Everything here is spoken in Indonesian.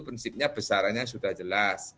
prinsipnya besarannya sudah jelas